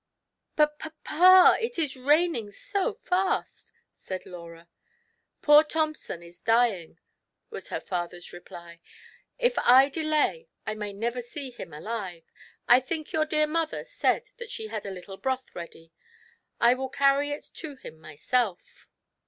" But, papa, it is raining so fast !" said Laura. "Poor Thompson is dying," was her father's reply; " if I delay, I may never see him alive. I think your dear mother said that she had a little broth ready; I will carry it to him myself."